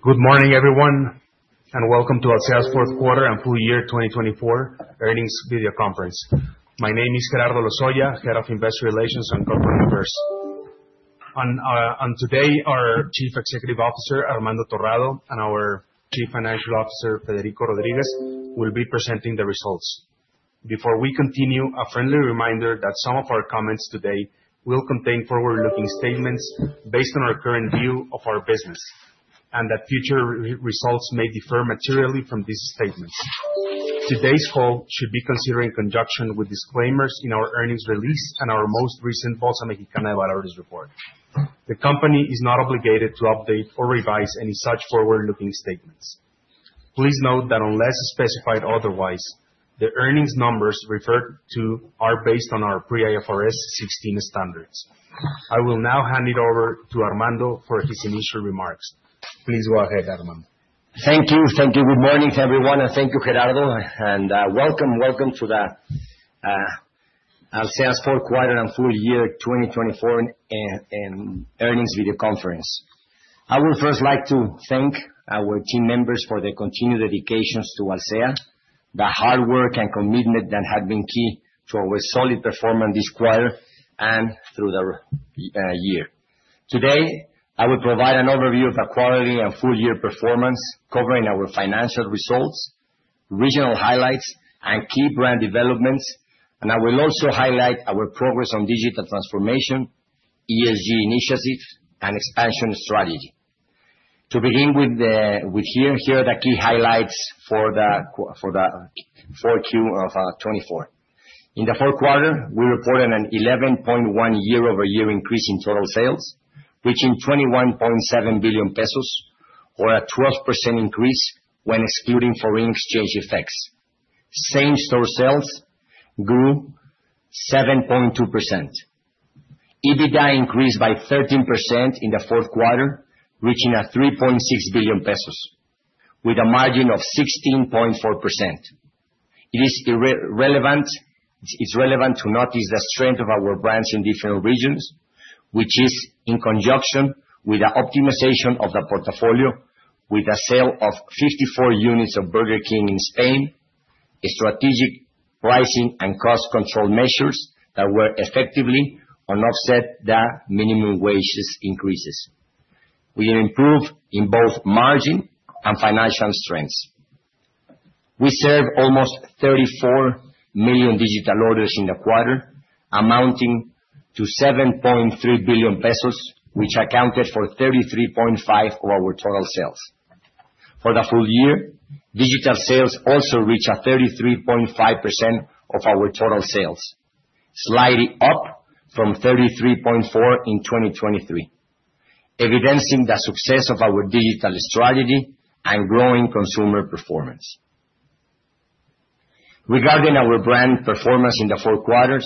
Good morning, everyone, and welcome to Alsea's fourth quarter and full year 2024 earnings video conference. My name is Gerardo Lozoya, Head of Investor Relations and Corporate Numbers, and today, our Chief Executive Officer, Armando Torrado, and our Chief Financial Officer, Federico Rodríguez, will be presenting the results. Before we continue, a friendly reminder that some of our comments today will contain forward-looking statements based on our current view of our business and that future results may differ materially from these statements. Today's call should be considered in conjunction with disclaimers in our earnings release and our most recent Bolsa Mexicana de Valores report. The company is not obligated to update or revise any such forward-looking statements. Please note that unless specified otherwise, the earnings numbers referred to are based on our Pre-IFRS 16 standards. I will now hand it over to Armando for his initial remarks. Please go ahead, Armando. Thank you. Good morning, everyone, and thank you, Gerardo, and welcome to Alsea's fourth quarter and full year 2024 earnings video conference. I would first like to thank our team members for their continued dedication to Alsea, the hard work and commitment that have been key to our solid performance this quarter and through the year. Today, I will provide an overview of our quarterly and full year performance, covering our financial results, regional highlights, and key brand developments, and I will also highlight our progress on digital transformation, ESG initiatives, and expansion strategy. To begin with, here are the key highlights for the fourth quarter of 2024. In the fourth quarter, we reported an 11.1% year-over-year increase in total sales, reaching 21.7 billion pesos, or a 12% increase when excluding foreign exchange effects. Same-store sales grew 7.2%. EBITDA increased by 13% in the fourth quarter, reaching 3.6 billion pesos, with a margin of 16.4%. It is relevant to notice the strength of our brands in different regions, which is in conjunction with the optimization of the portfolio, with the sale of 54 units of Burger King in Spain, strategic pricing, and cost control measures that were effectively to offset the minimum wage increases. We improved in both margin and financial strengths. We served almost 34 million digital orders in the quarter, amounting to 7.3 billion pesos, which accounted for 33.5% of our total sales. For the full year, digital sales also reached 33.5% of our total sales, slightly up from 33.4% in 2023, evidencing the success of our digital strategy and growing consumer performance. Regarding our brand performance in the four quarters,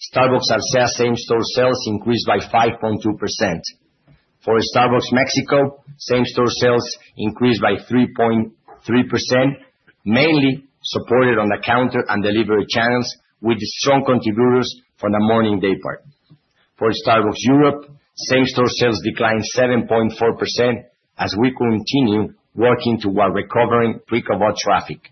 Starbucks Alsea same-store sales increased by 5.2%. For Starbucks Mexico, same-store sales increased by 3.3%, mainly supported on the counter and delivery channels, with strong contributors from the morning day part. For Starbucks Europe, same-store sales declined 7.4% as we continue working toward recovering pre-COVID traffic.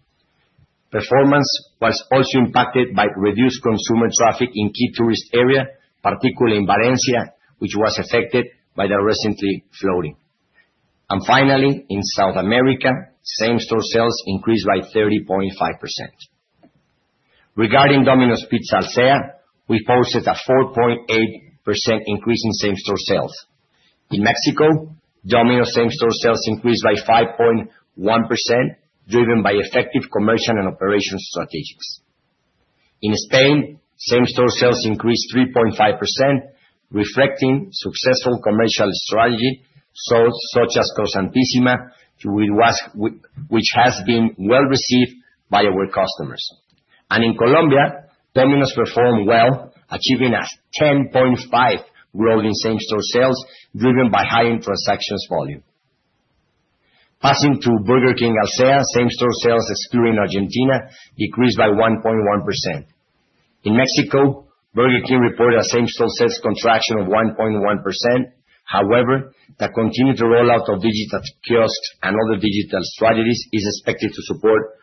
Performance was also impacted by reduced consumer traffic in key tourist areas, particularly in Valencia, which was affected by the recent flooding. Finally, in South America, same-store sales increased by 30.5%. Regarding Domino's Pizza Alsea, we posted a 4.8% increase in same-store sales. In Mexico, Domino's same-store sales increased by 5.1%, driven by effective commercial and operational strategies. In Spain, same-store sales increased 3.5%, reflecting successful commercial strategies such as Croissantísima, which has been well received by our customers. In Colombia, Domino's performed well, achieving a 10.5% growth in same-store sales, driven by high transaction volume. Passing to Burger King Alsea, same-store sales, excluding Argentina, decreased by 1.1%. In Mexico, Burger King reported a same-store sales contraction of 1.1%. However, the continued rollout of digital kiosks and other digital strategies is expected to support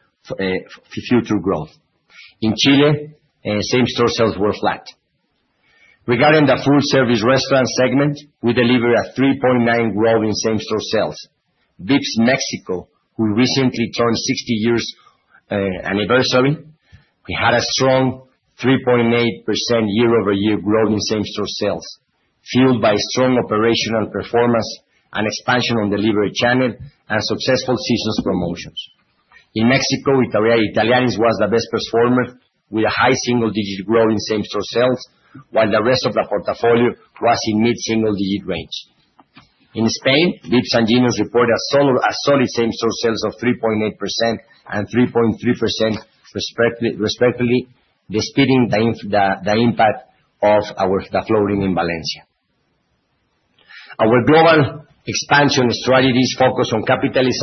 future growth. In Chile, same-store sales were flat. Regarding the food service restaurant segment, we delivered a 3.9% growth in same-store sales. VIPS Mexico, who recently turned 60 years anniversary, had a strong 3.8% year-over-year growth in same-store sales, fueled by strong operational performance and expansion on delivery channel and successful seasonal promotions. In Mexico, Italianni's was the best performer, with a high single-digit growth in same-store sales, while the rest of the portfolio was in mid-single-digit range. In Spain, VIPS and Ginos reported solid same-store sales of 3.8% and 3.3%, respectively, despite the impact of the flooding in Valencia. Our global expansion strategies focused on capitalizing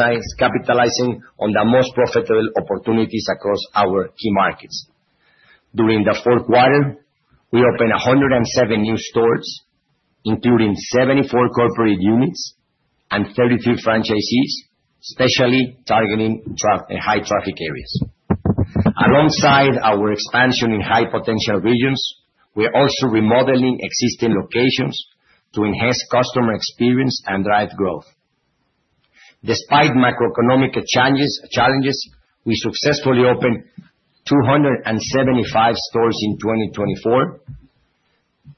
on the most profitable opportunities across our key markets. During the fourth quarter, we opened 107 new stores, including 74 corporate units and 33 franchisees, especially targeting high-traffic areas. Alongside our expansion in high-potential regions, we are also remodeling existing locations to enhance customer experience and drive growth. Despite macroeconomic challenges, we successfully opened 275 stores in 2024,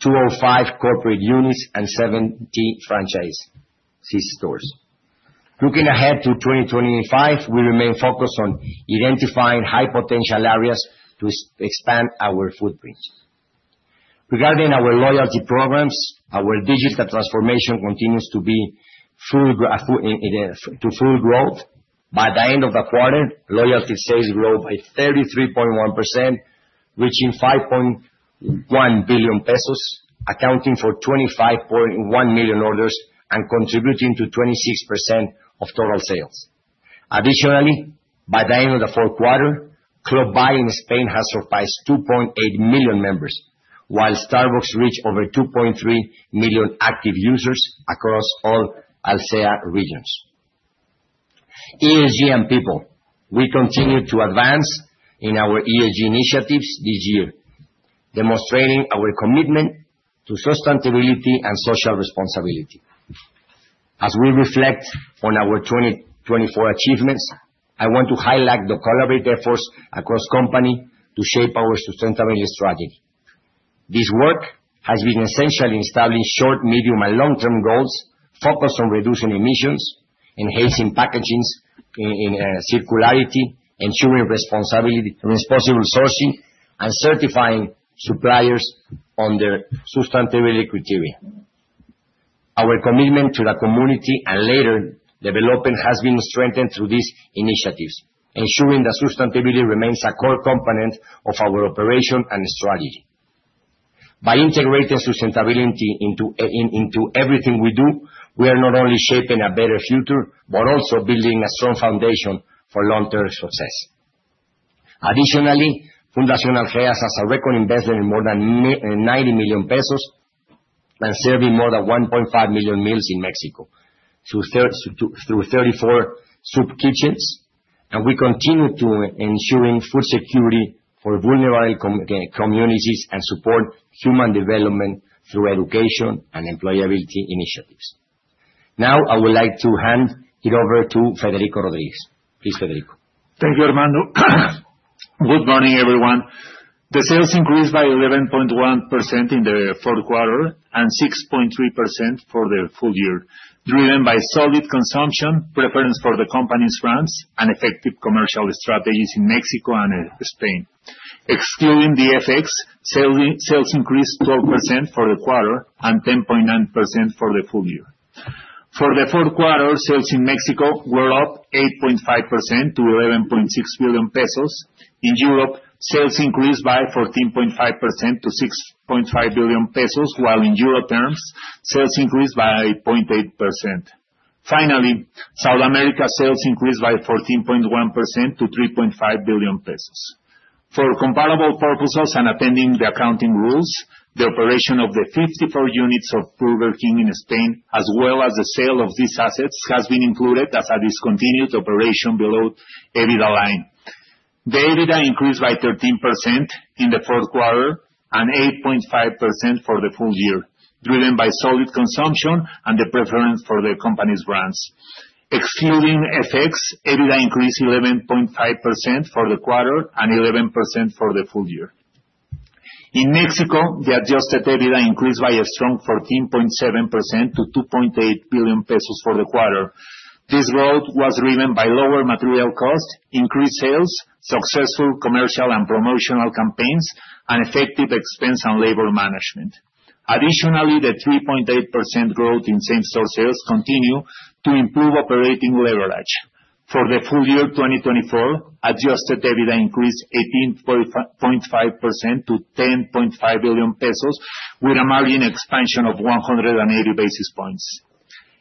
205 corporate units, and 70 franchisees. Looking ahead to 2025, we remain focused on identifying high-potential areas to expand our footprint. Regarding our loyalty programs, our digital transformation continues to be full growth. By the end of the quarter, loyalty sales grew by 33.1%, reaching MXN 5.1 billion, accounting for 25.1 million orders and contributing to 26% of total sales. Additionally, by the end of the fourth quarter, Club VIPS in Spain has surpassed 2.8 million members, while Starbucks reached over 2.3 million active users across all Alsea regions. ESG and people. We continue to advance in our ESG initiatives this year, demonstrating our commitment to sustainability and social responsibility. As we reflect on our 2024 achievements, I want to highlight the collaborative efforts across companies to shape our sustainability strategy. This work has been essential in establishing short, medium, and long-term goals focused on reducing emissions, enhancing packaging circularity, ensuring responsible sourcing, and certifying suppliers under sustainability criteria. Our commitment to the community and later development has been strengthened through these initiatives, ensuring that sustainability remains a core component of our operation and strategy. By integrating sustainability into everything we do, we are not only shaping a better future, but also building a strong foundation for long-term success. Additionally, Fundación Alsea has a record investment of more than 90 million pesos and serving more than 1.5 million meals in Mexico through 34 soup kitchens. We continue to ensure food security for vulnerable communities and support human development through education and employability initiatives. Now, I would like to hand it over to Federico Rodríguez. Please, Federico. Thank you, Armando. Good morning, everyone. The sales increased by 11.1% in the fourth quarter and 6.3% for the full year, driven by solid consumption, preference for the company's brands, and effective commercial strategies in Mexico and Spain. Excluding the FX, sales increased 12% for the quarter and 10.9% for the full year. For the fourth quarter, sales in Mexico were up 8.5% to 11.6 billion pesos. In Europe, sales increased by 14.5% to 6.5 billion pesos, while in Euro terms, sales increased by 0.8%. Finally, South America sales increased by 14.1% to 3.5 billion pesos. For comparable purposes and attending the accounting rules, the operation of the 54 units of Burger King in Spain, as well as the sale of these assets, has been included as a discontinued operation below EBITDA line. The EBITDA increased by 13% in the fourth quarter and 8.5% for the full year, driven by solid consumption and the preference for the company's brands. Excluding FX, EBITDA increased 11.5% for the quarter and 11% for the full year. In Mexico, the adjusted EBITDA increased by a strong 14.7% to 2.8 billion pesos for the quarter. This growth was driven by lower material costs, increased sales, successful commercial and promotional campaigns, and effective expense and labor management. Additionally, the 3.8% growth in same-store sales continued to improve operating leverage. For the full year 2024, adjusted EBITDA increased 18.5% to 10.5 billion pesos, with a margin expansion of 180 basis points.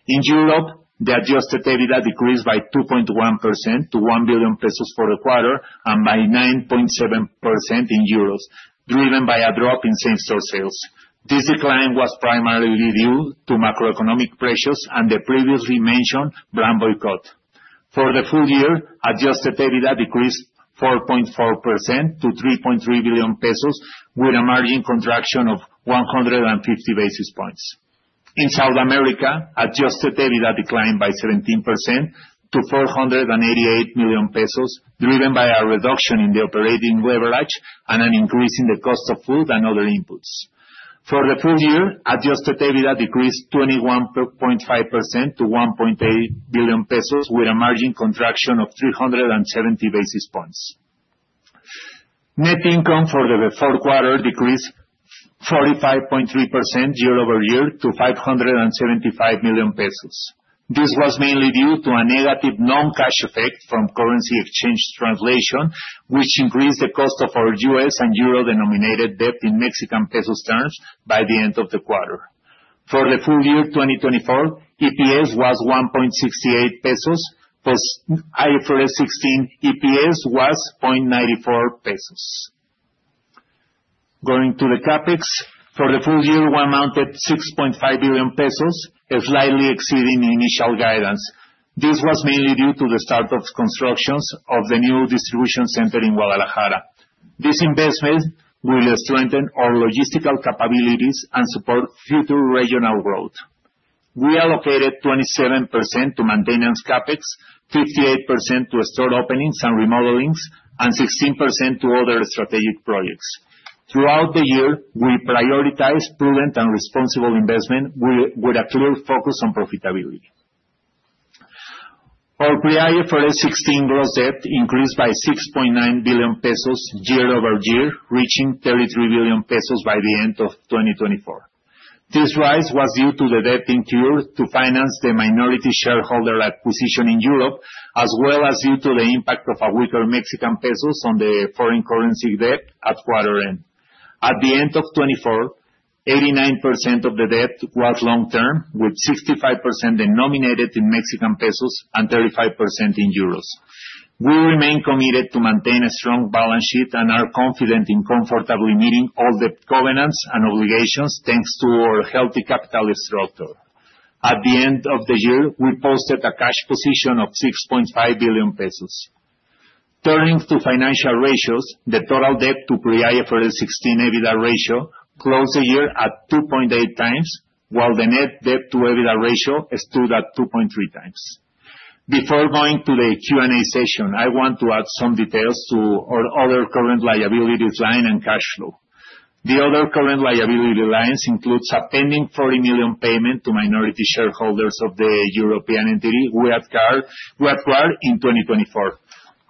In Europe, the adjusted EBITDA decreased by 2.1% to 1 billion pesos for the quarter and by 9.7% in euros, driven by a drop in same-store sales. This decline was primarily due to macroeconomic pressures and the previously mentioned brand boycott. For the full year, adjusted EBITDA decreased 4.4% to 3.3 billion pesos, with a margin contraction of 150 basis points. In South America, adjusted EBITDA declined by 17% to 488 million pesos, driven by a reduction in the operating leverage and an increase in the cost of food and other inputs. For the full year, adjusted EBITDA decreased 21.5% to 1.8 billion pesos, with a margin contraction of 370 basis points. Net income for the fourth quarter decreased 45.3% year-over-year to 575 million pesos. This was mainly due to a negative non-cash effect from currency exchange translation, which increased the cost of our U.S. and euro-denominated debt in Mexican pesos terms by the end of the quarter. For the full year 2024, EPS was 1.68 pesos, plus IFRS 16 EPS was 0.94 pesos. Going to the CapEx, for the full year, we amounted to 6.5 billion pesos, slightly exceeding initial guidance. This was mainly due to the start of construction of the new distribution center in Guadalajara. This investment will strengthen our logistical capabilities and support future regional growth. We allocated 27% to maintenance CapEx, 58% to store openings and remodelings, and 16% to other strategic projects. Throughout the year, we prioritized prudent and responsible investment with a clear focus on profitability. Our pre-IFRS 16 gross debt increased by 6.9 billion pesos year-over-year, reaching 33 billion pesos by the end of 2024. This rise was due to the debt incurred to finance the minority shareholder acquisition in Europe, as well as due to the impact of a weaker Mexican peso on the foreign currency debt at quarter end. At the end of 2024, 89% of the debt was long-term, with 65% denominated in Mexican pesos and 35% in euros. We remain committed to maintain a strong balance sheet and are confident in comfortably meeting all debt covenants and obligations thanks to our healthy capital structure. At the end of the year, we posted a cash position of 6.5 billion pesos. Turning to financial ratios, the total debt to Pre-IFRS 16 EBITDA ratio closed the year at 2.8 times, while the net debt to EBITDA ratio stood at 2.3 times. Before going to the Q&A session, I want to add some details to our other current liabilities line and cash flow. The other current liability lines include a pending 40 million payment to minority shareholders of the European entity Red Guard in 2024.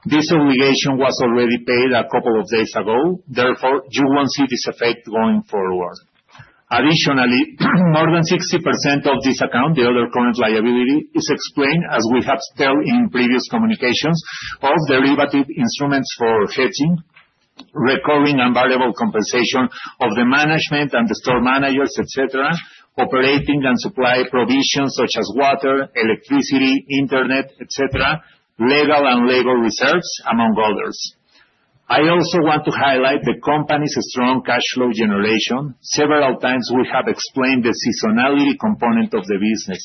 This obligation was already paid a couple of days ago. Therefore, you won't see this effect going forward. Additionally, more than 60% of this account, the other current liability, is explained, as we have told in previous communications, of derivative instruments for hedging, recovering and variable compensation of the management and the store managers, etc., operating and supply provisions such as water, electricity, internet, etc., legal and labor reserves, among others. I also want to highlight the company's strong cash flow generation. Several times, we have explained the seasonality component of the business,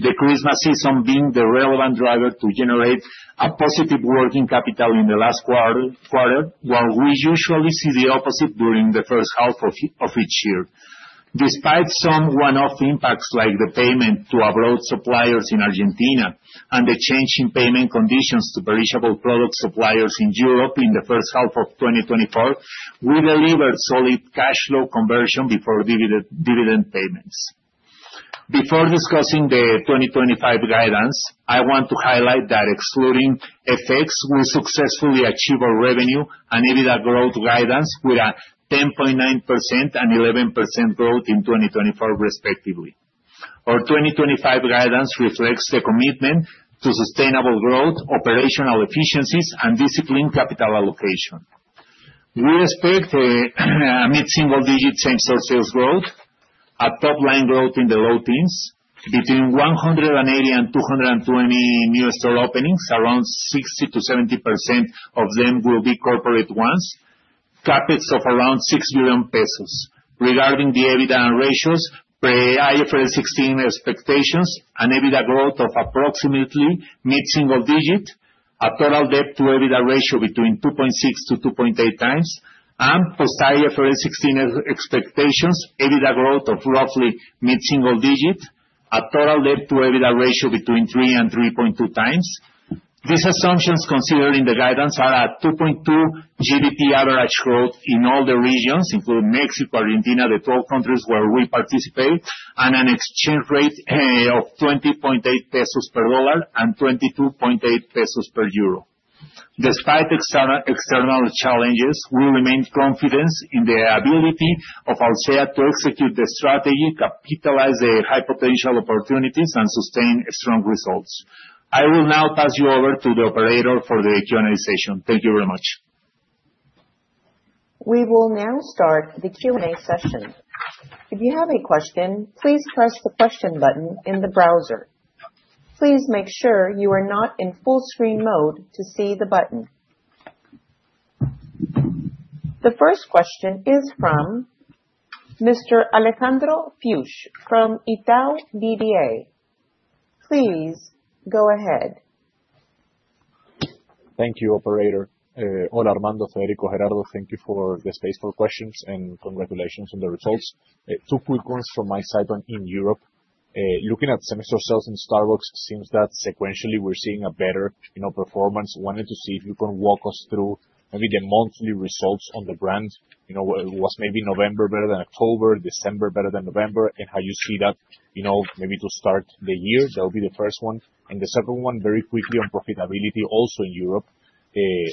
the Christmas season being the relevant driver to generate a positive working capital in the last quarter, while we usually see the opposite during the first half of each year. Despite some one-off impacts like the payment to abroad suppliers in Argentina and the change in payment conditions to perishable product suppliers in Europe in the first half of 2024, we delivered solid cash flow conversion before dividend payments. Before discussing the 2025 guidance, I want to highlight that excluding FX, we successfully achieved our revenue and EBITDA growth guidance with a 10.9% and 11% growth in 2024, respectively. Our 2025 guidance reflects the commitment to sustainable growth, operational efficiencies, and disciplined capital allocation. We expect a mid-single-digit same-store sales growth, a top-line growth in the low teens, between 180 and 220 new store openings, around 60%-70% of them will be corporate ones, CapEx of around 6 billion pesos. Regarding the EBITDA ratios, pre-IFRS 16 expectations, an EBITDA growth of approximately mid-single digit, a total debt to EBITDA ratio between 2.6-2.8 times, and post-IFRS 16 expectations, EBITDA growth of roughly mid-single digit, a total debt to EBITDA ratio between 3-3.2 times. These assumptions, considering the guidance, are a 2.2 GDP average growth in all the regions, including Mexico, Argentina, the 12 countries where we participate, and an exchange rate of 20.8 pesos per dollar and 22.8 pesos per euro. Despite external challenges, we remain confident in the ability of Alsea to execute the strategy, capitalize the high-potential opportunities, and sustain strong results. I will now pass you over to the operator for the Q&A session. Thank you very much. We will now start the Q&A session. If you have a question, please press the question button in the browser. Please make sure you are not in full-screen mode to see the button. The first question is from Mr. Alejandro Fuchs from Itaú BBA. Please go ahead. Thank you, Operator. Hola, Armando, Federico, Gerardo. Thank you for the space for questions and congratulations on the results. Two quick ones from my side in Europe. Looking at semester sales in Starbucks, it seems that sequentially we're seeing a better performance. Wanted to see if you can walk us through maybe the monthly results on the brand. It was maybe November better than October, December better than November, and how you see that maybe to start the year. That would be the first one. And the second one, very quickly on profitability also in Europe.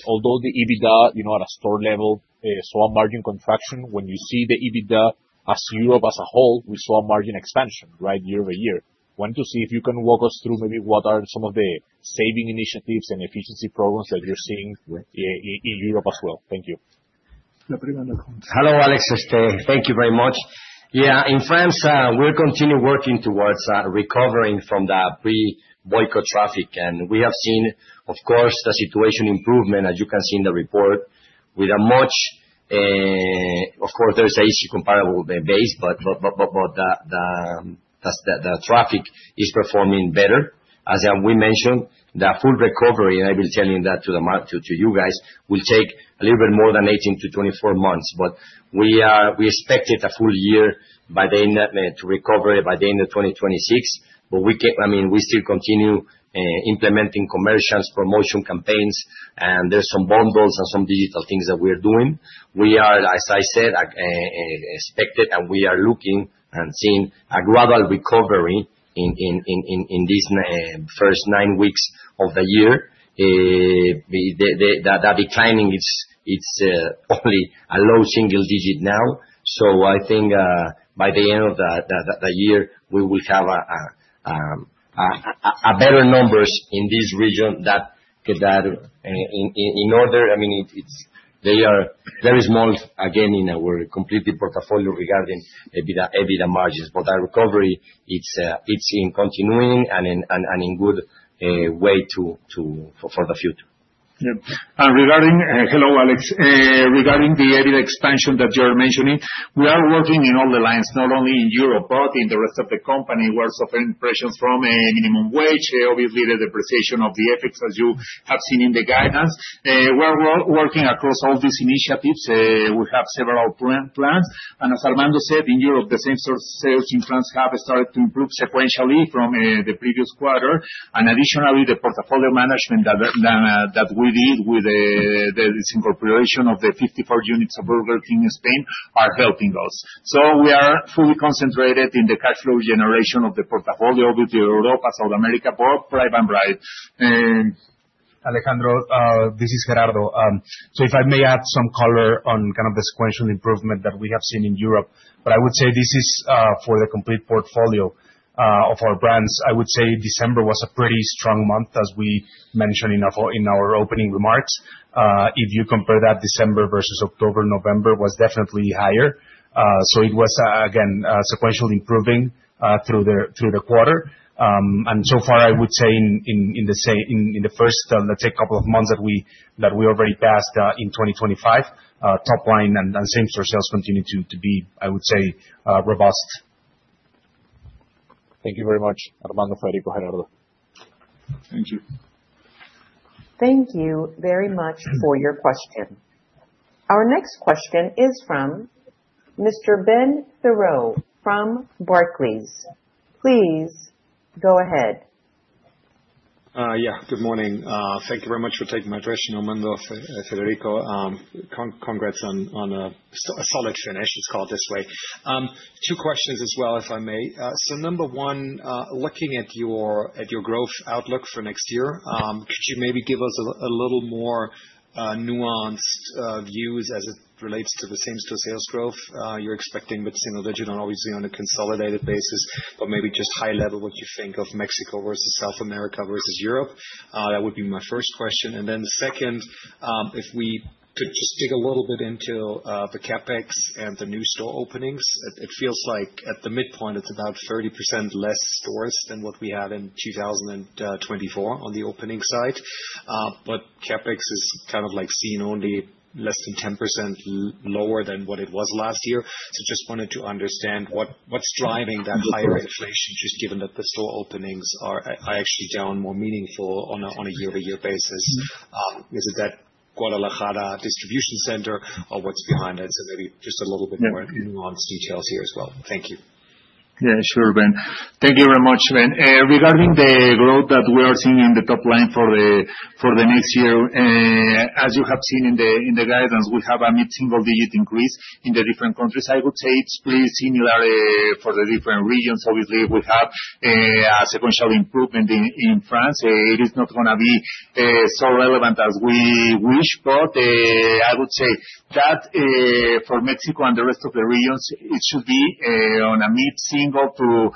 Although the EBITDA at a store level saw a margin contraction, when you see the EBITDA of Europe as a whole, we saw a margin expansion year-over-year. Wanted to see if you can walk us through maybe what are some of the savings initiatives and efficiency programs that you're seeing in Europe as well. Thank you. Hello, Alex. Thank you very much. Yeah, in France, we're continuing working towards recovering from the post-boycott traffic, and we have seen, of course, the situation improvement, as you can see in the report, with a much; of course, there's an issue comparable with the base, but the traffic is performing better. As we mentioned, the full recovery, and I will tell you that to you guys, will take a little bit more than 18-24 months. But we expected a full year to recover by the end of 2026. But I mean, we still continue implementing commercials, promotion campaigns, and there's some bundles and some digital things that we're doing. We are, as I said, expected, and we are looking and seeing a gradual recovery in these first nine weeks of the year. The declining is only a low single digit now. So, I think by the end of the year, we will have better numbers in this region than in order. I mean, they are very small again in our complete portfolio regarding EBITDA margins. But our recovery, it's continuing and in good way for the future. Yeah. Regarding (hello, Alex) regarding the EBITDA expansion that you're mentioning, we are working in all the lines, not only in Europe, but in the rest of the company. We're suffering pressures from minimum wage, obviously the depreciation of the FX, as you have seen in the guidance. We're working across all these initiatives. We have several plans. And as Armando said, in Europe, the same-store sales in France have started to improve sequentially from the previous quarter. And additionally, the portfolio management that we did with the incorporation of the 54 units of Burger King in Spain are helping us. So we are fully concentrated in the cash flow generation of the portfolio, obviously Europe, South America, both, private and private. Alejandro, this is Gerardo. So if I may add some color on kind of the sequential improvement that we have seen in Europe, but I would say this is for the complete portfolio of our brands. I would say December was a pretty strong month, as we mentioned in our opening remarks. If you compare that December versus October, November was definitely higher. So it was, again, sequentially improving through the quarter. And so far, I would say in the first, let's say, couple of months that we already passed in 2025, top-line and same-store sales continue to be, I would say, robust. Thank you very much, Armando, Federico, Gerardo. Thank you. Thank you very much for your question. Our next question is from Mr. Ben Theurer from Barclays. Please go ahead. Yeah, good morning. Thank you very much for taking my question, Armando, Federico. Congrats on a solid finish, let's call it this way. Two questions as well, if I may. So number one, looking at your growth outlook for next year, could you maybe give us a little more nuanced views as it relates to the same-store sales growth you're expecting mid-single digit and obviously on a consolidated basis, but maybe just high-level what you think of Mexico versus South America versus Europe? That would be my first question. And then the second, if we could just dig a little bit into the CapEx and the new store openings. It feels like at the midpoint, it's about 30% less stores than what we had in 2024 on the opening side. CapEx is kind of like seen only less than 10% lower than what it was last year. Just wanted to understand what's driving that higher inflation, just given that the store openings are actually down more meaningful on a year-over-year basis. Is it that Guadalajara distribution center or what's behind that? Maybe just a little bit more nuanced details here as well. Thank you. Yeah, sure, Ben. Thank you very much, Ben. Regarding the growth that we are seeing in the top line for the next year, as you have seen in the guidance, we have a mid-single digit increase in the different countries. I would say it's pretty similar for the different regions. Obviously, we have a sequential improvement in France. It is not going to be so relevant as we wish, but I would say that for Mexico and the rest of the regions, it should be on a mid-single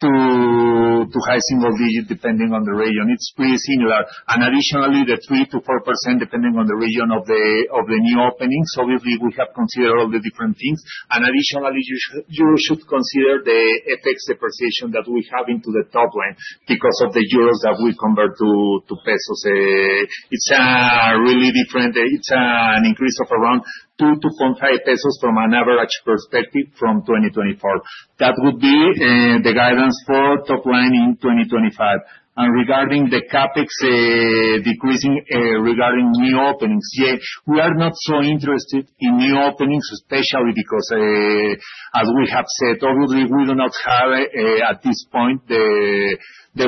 to high single digit depending on the region. It's pretty similar. And additionally, the 3% to 4% depending on the region of the new openings. Obviously, we have considered all the different things. And additionally, you should consider the FX depreciation that we have into the top line because of the euros that we convert to pesos. It's really different. It's an increase of around 2-2.5 pesos from an average perspective from 2024. That would be the guidance for top line in 2025. Regarding the CapEx decreasing regarding new openings, yeah, we are not so interested in new openings, especially because, as we have said, obviously, we do not have at this point the 100%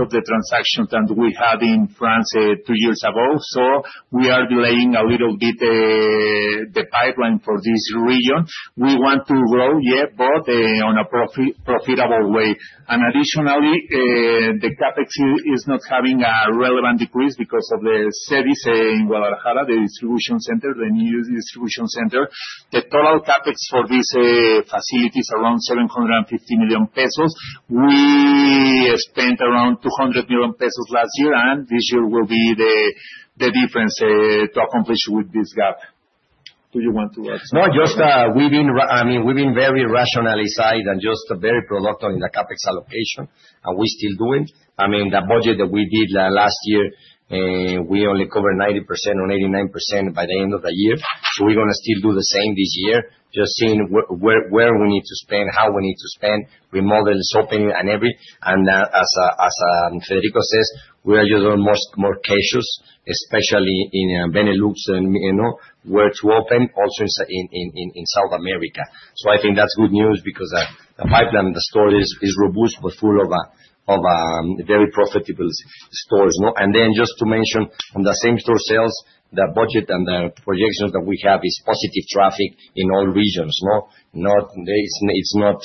of the transactions that we had in France two years ago. So we are delaying a little bit the pipeline for this region. We want to grow, yeah, but on a profitable way. Additionally, the CapEx is not having a relevant decrease because of the CEDIS in Guadalajara, the distribution center, the new distribution center. The total CapEx for these facilities is around 750 million pesos. We spent around 200 million pesos last year, and this year will be the difference to accomplish with this gap. Do you want to add something? No, just we've been very rationalized and just very productive in the CapEx allocation, and we're still doing. I mean, the budget that we did last year, we only covered 90% or 89% by the end of the year. So we're going to still do the same this year, just seeing where we need to spend, how we need to spend, remodels, opening, and everything. And as Federico says, we are using more cash, especially in Benelux, where to open, also in South America. So I think that's good news because the pipeline, the store is robust, but full of very profitable stores. And then just to mention, on the same-store sales, the budget and the projections that we have is positive traffic in all regions. It's not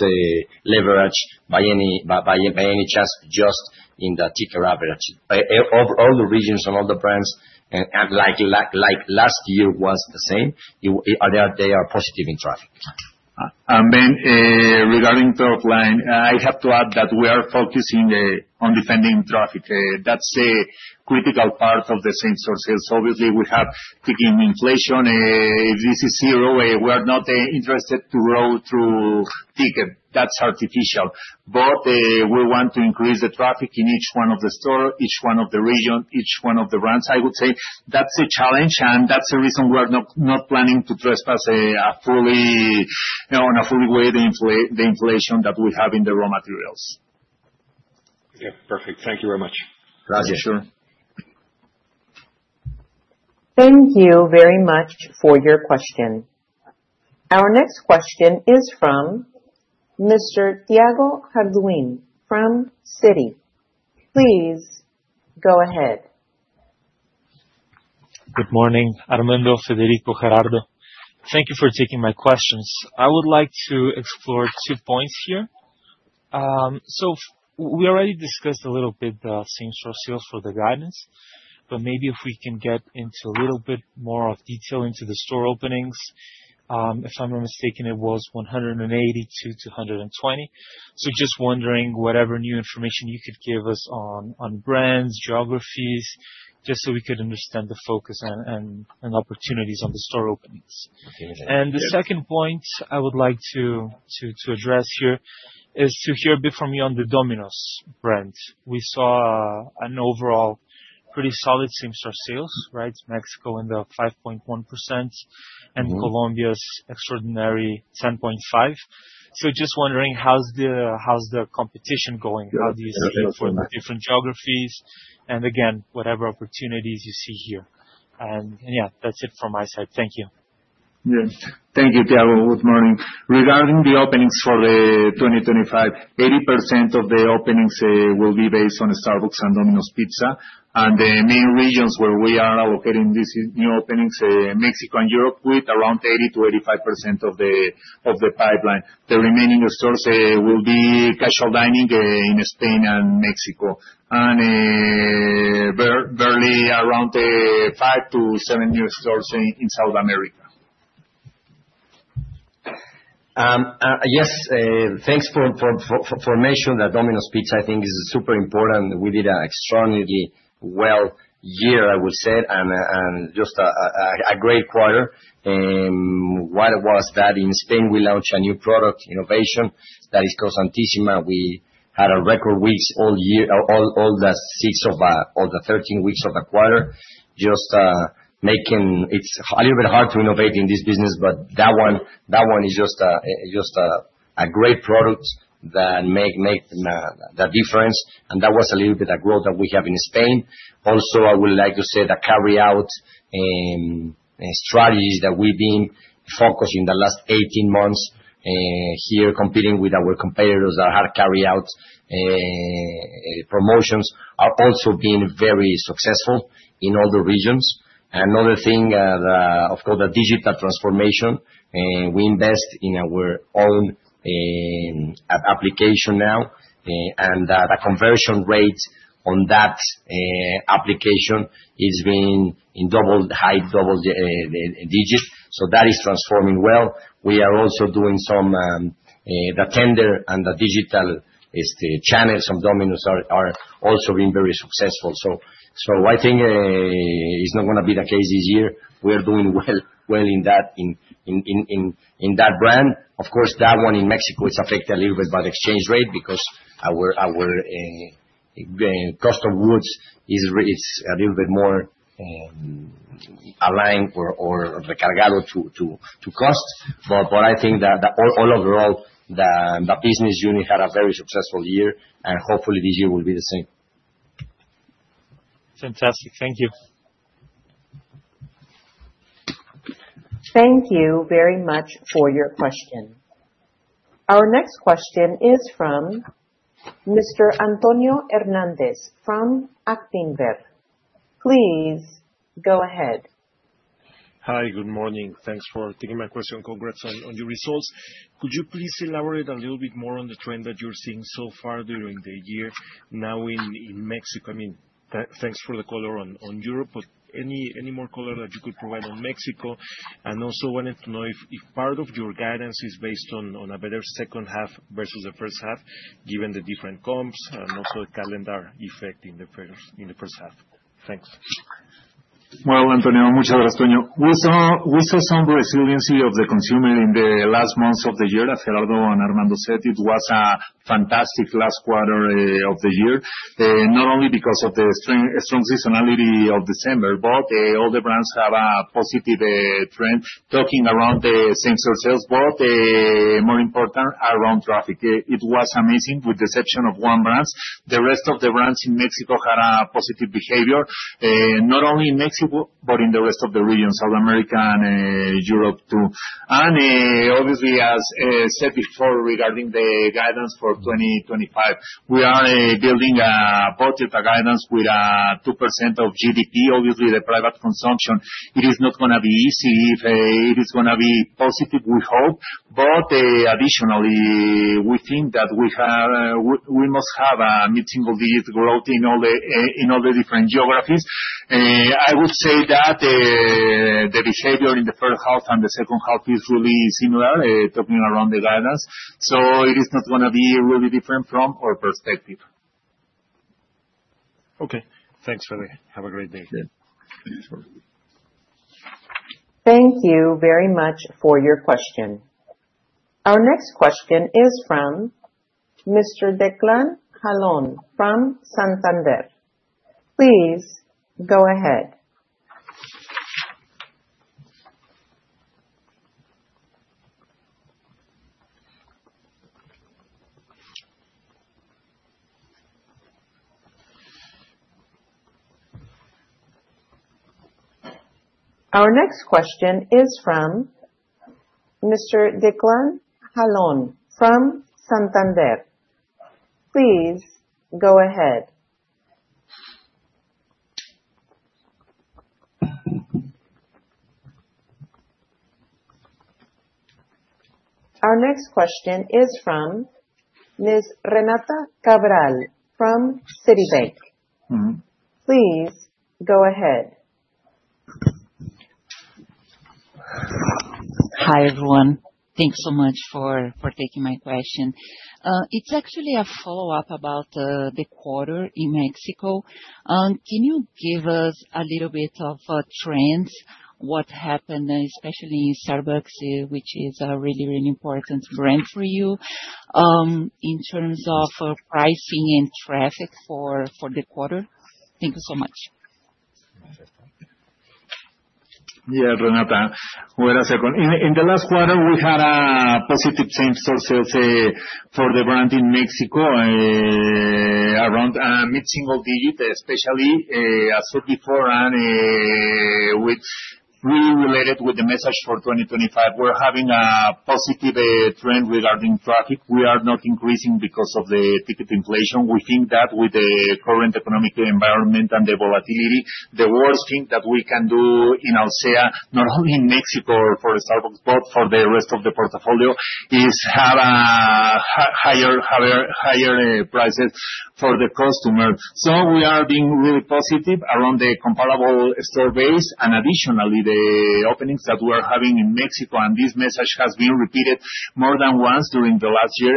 leveraged by any chance, just in the ticket average. All the regions and all the brands, like last year, was the same. They are positive in traffic. Ben, regarding top line, I have to add that we are focusing on defending traffic. That's a critical part of the same-store sales. Obviously, we have ticking inflation. If this is zero, we are not interested to grow through ticket. That's artificial. But we want to increase the traffic in each one of the stores, each one of the regions, each one of the brands. I would say that's a challenge, and that's the reason we are not planning to pass on, in a full way, the inflation that we have in the raw materials. Yeah, perfect. Thank you very much. Gracias. Thank you very much for your question. Our next question is from Mr. Diego Jardón from Citi. Please go ahead. Good morning, Armando, Federico, Gerardo. Thank you for taking my questions. I would like to explore two points here. So we already discussed a little bit the same-store sales for the guidance, but maybe if we can get into a little bit more detail into the store openings. If I'm not mistaken, it was 182 to 120. So just wondering whatever new information you could give us on brands, geographies, just so we could understand the focus and opportunities on the store openings. And the second point I would like to address here is to hear a bit from you on the Domino's brand. We saw an overall pretty solid same-store sales, right? Mexico in the 5.1% and Colombia's extraordinary 10.5%. So just wondering, how's the competition going? How do you see it for the different geographies? And again, whatever opportunities you see here. Yeah, that's it from my side. Thank you. Yeah. Thank you, Diego. Good morning. Regarding the openings for the 2025, 80% of the openings will be based on Starbucks and Domino's Pizza. And the main regions where we are allocating these new openings, Mexico and Europe, with around 80%-85% of the pipeline. The remaining stores will be casual dining in Spain and Mexico. And barely around five to seven new stores in South America. Yes, thanks for mentioning that Domino's Pizza. I think it is super important. We did an extraordinarily well year, I would say, and just a great quarter. Why was that? In Spain, we launched a new product innovation that is Croissantísima. We had a record week all the 13 weeks of the quarter, just making it a little bit hard to innovate in this business, but that one is just a great product that makes the difference. And that was a little bit of growth that we have in Spain. Also, I would like to say the carryout strategies that we've been focusing on the last 18 months here, competing with our competitors that had carryout promotions, are also being very successful in all the regions. Another thing, of course, the digital transformation. We invest in our own application now, and the conversion rate on that application is in the high double digits, so that is transforming well. We are also doing some the tender, and the digital channels of Domino's are also being very successful, so I think it's not going to be the case this year. We are doing well in that brand. Of course, that one in Mexico, it's affected a little bit by the exchange rate because our cost of goods is a little bit more aligned or recalcado to cost. But I think that all overall, the business unit had a very successful year, and hopefully this year will be the same. Fantastic. Thank you. Thank you very much for your question. Our next question is from Mr. Antonio Hernández from Actinver. Please go ahead. Hi, good morning. Thanks for taking my question. Congrats on your results. Could you please elaborate a little bit more on the trend that you're seeing so far during the year now in Mexico? I mean, thanks for the color on Europe, but any more color that you could provide on Mexico? And also wanted to know if part of your guidance is based on a better second half versus the first half, given the different comps and also the calendar effect in the first half. Thanks. Antonio, muchas gracias, Antonio. We saw some resiliency of the consumer in the last months of the year. As Gerardo and Armando said, it was a fantastic last quarter of the year, not only because of the strong seasonality of December, but all the brands have a positive trend, talking around the same-store sales, but more important around traffic. It was amazing with the exception of one brand. The rest of the brands in Mexico had a positive behavior, not only in Mexico, but in the rest of the region, South America and Europe too. Obviously, as said before regarding the guidance for 2025, we are building a budget, a guidance with 2% of GDP. Obviously, the private consumption, it is not going to be easy. If it is going to be positive, we hope. but additionally, we think that we must have a mid-single digit growth in all the different geographies. I would say that the behavior in the first half and the second half is really similar, talking around the guidance. So it is not going to be really different from our perspective. Okay. Thanks, Freddy. Have a great day. Thank you very much for your question. Our next question is from Mr. Declan Gargan from Santander. Please go ahead. Our next question is from Ms. Renata Cabral from Citibank. Please go ahead. Hi, everyone. Thanks so much for taking my question. It's actually a follow-up about the quarter in Mexico. Can you give us a little bit of trends, what happened, especially Starbucks, which is a really, really important brand for you in terms of pricing and traffic for the quarter? Thank you so much. Yeah, Renata. In the last quarter, we had a positive same-store sales for the brand in Mexico, around mid-single digit, especially, as said before, and with really related with the message for 2025. We're having a positive trend regarding traffic. We are not increasing because of the ticket inflation. We think that with the current economic environment and the volatility, the worst thing that we can do in Alsea, not only in Mexico for Starbucks, but for the rest of the portfolio, is have higher prices for the customer. So we are being really positive around the comparable store base. And additionally, the openings that we are having in Mexico, and this message has been repeated more than once during the last year,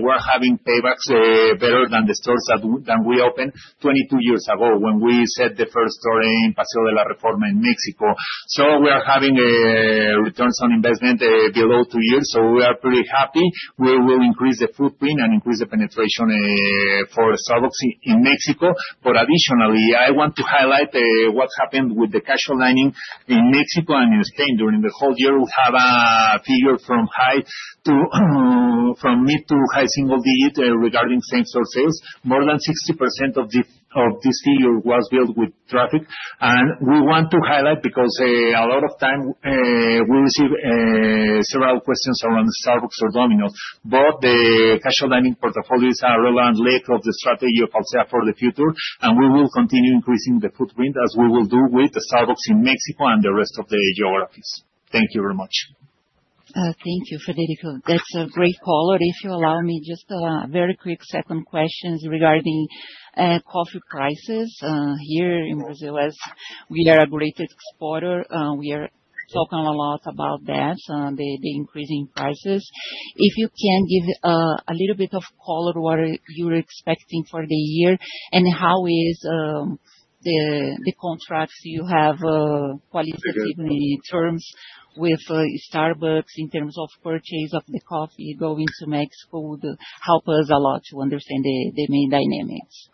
we are having paybacks better than the stores that we opened 22 years ago when we set the first store in Paseo de la Reforma in Mexico. So we are having returns on investment below two years. So we are pretty happy. We will increase the footprint and increase the penetration for Starbucks in Mexico. But additionally, I want to highlight what happened with the casual dining in Mexico and in Spain during the whole year. We have a figure from mid- to high-single-digit regarding same-store sales. More than 60% of this figure was built with traffic. And we want to highlight because a lot of time we receive several questions around Starbucks or Domino's, but the casual dining portfolios are relevant leg of the strategy of Alsea for the future, and we will continue increasing the footprint as we will do with Starbucks in Mexico and the rest of the geographies. Thank you very much. Thank you, Federico. That's a great call. Or if you allow me, just a very quick second question regarding coffee prices here in Brazil. As we are a great exporter, we are talking a lot about that, the increasing prices. If you can give a little bit of color on what you're expecting for the year and how the contracts you have qualitative terms with Starbucks in terms of purchase of the coffee going to Mexico would help us a lot to understand the main dynamics?